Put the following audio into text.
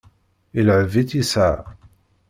Ileɛɛeb-itt yesɛa.